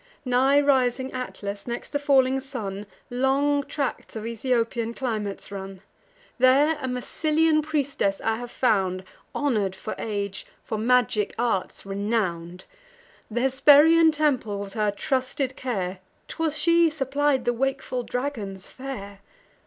Nigh rising Atlas, next the falling sun, Long tracts of Ethiopian climates run: There a Massylian priestess I have found, Honour'd for age, for magic arts renown'd: Th' Hesperian temple was her trusted care; 'Twas she supplied the wakeful dragon's fare.